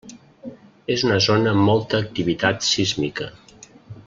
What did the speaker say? És una zona amb molta activitat sísmica.